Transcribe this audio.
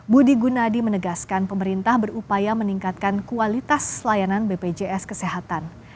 budi gunadi menegaskan pemerintah berupaya meningkatkan kualitas layanan bpjs kesehatan